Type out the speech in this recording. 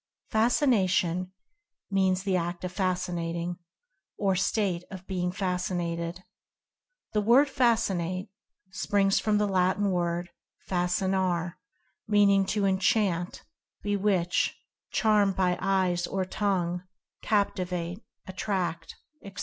"Fascination" means "the act of Fascinating, or state of being Fascinated." The word "Fascinate" springs from the Latin word "Fascinare" meaning "to enchant ; bewitch, charm by eyes or tongue ; captivate, attract," etc.